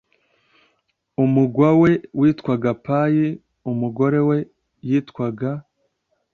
umurwa we witwaga Payi umugore we yitwaga